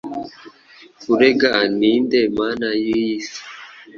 Kurega Ninde Mana Yiyi Isi